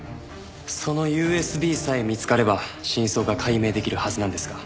そのＵＳＢさえ見つかれば真相が解明できるはずなんですが。